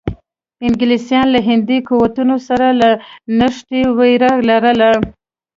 انګلیسانو له هندي قوتونو سره له نښتې وېره لرله.